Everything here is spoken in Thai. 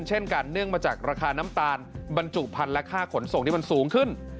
เช่นกันเนื่องมาจากราคาน้ำตาลบรรจุพันธุ์และค่าขนส่งที่มันสูงขึ้น